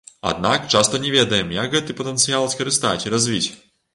Аднак часта не ведаем, як гэты патэнцыял скарыстаць і развіць!